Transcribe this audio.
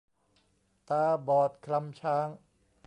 ตาบอดคลำช้าง